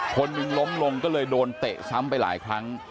คนหนึ่งล้มลงก็เลยโดนเตะซ้ำไปหลายครั้ง